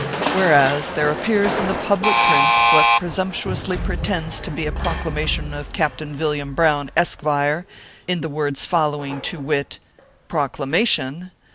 " Whereas, There appears in the public prints what presumptuously pretends to be a proclamation of Captain Villiam Brown, Eskevire, in the words fol lowing, to wit : e PROCLAMATION.